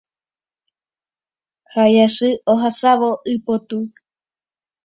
Ha jasy ohasávo ipoty